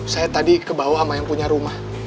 saya tadi kebawa sama yang punya rumah